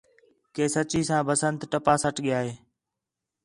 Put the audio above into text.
کہ سچّی ساں بسنت ٹپا سٹ ڳِیا ہِے